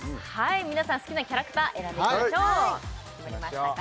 皆さん好きなキャラクター選んでいきましょう決まりましたか？